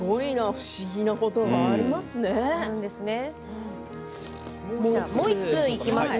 不思議なことがありますね。